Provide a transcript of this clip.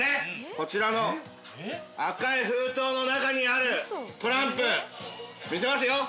こちらの赤い封筒の中にあるトランプ見せますよ。